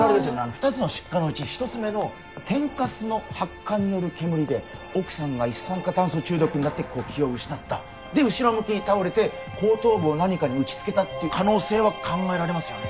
２つの出火のうち１つ目の天かすの発火による煙で奥さんが一酸化炭素中毒になって気を失ったで後ろ向きに倒れて後頭部を何かに打ち付けたっていう可能性は考えられますよね？